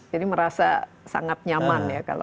jadi merasa sangat nyaman ya kalau